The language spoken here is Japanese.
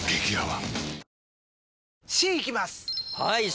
はい。